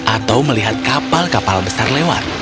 atau melihat kapal kapal besar lewat